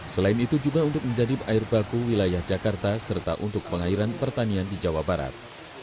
selain itu juga untuk menjadi air baku wilayah jakarta serta untuk pengairan pertanian di jawa barat